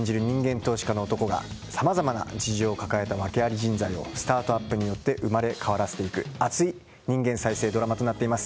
投資家の男がさまざまな事情を抱えた訳アリ人材をスタートアップによって生まれ変わらせていく熱い人間再生ドラマとなっています。